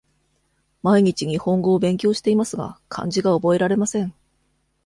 毎日日本語を勉強していますが、漢字が覚えられません。